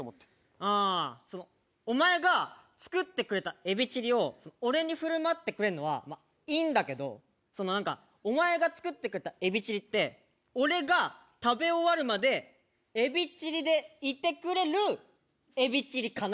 あー、お前が作ってくれたエビチリを、俺にふるまってくれるのはいいんだけど、そのなんか、お前が作ってくれたエビチリって、俺が食べ終わるまでエビチリでいてくれるエビチリかな。